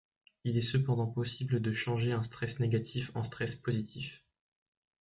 Il est cependant possible de changer un stress négatif en stress positif.